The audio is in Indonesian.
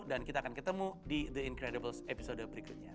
dan kita akan ketemu di the incredibles episode berikutnya